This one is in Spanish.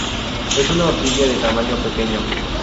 Es una orquídea de tamaño pequeño.